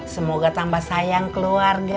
semoga tambah sayang keluarga